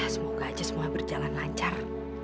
semoga aja semua berjalan lancar